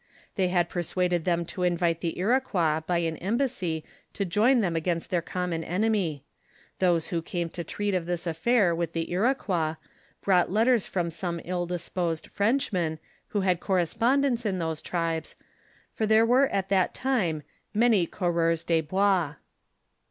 They had persuaded them to invite the Iroqnois by an embassy to join them against their common enemy ; those who came to treat of this aflfair with the Iroquois, brought letters from some ill disposed Frenchmen who had correspondents in those tribes, for there were at that time many coureurs de bois.